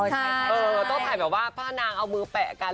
ต้องถ่ายห้อนางเอามือแตะกัน